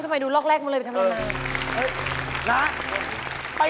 ทำไมดูลอกแรกหมดเลยทำไม